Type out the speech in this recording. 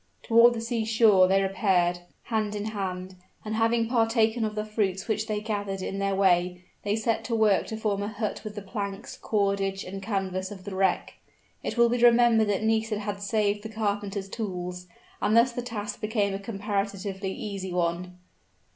Toward the sea shore they repaired, hand in hand, and having partaken of the fruits which they gathered in their way, they set to work to form a hut with the planks, cordage, and canvas of the wreck. It will be remembered that Nisida had saved the carpenter's tools, and thus the task became a comparatively easy one.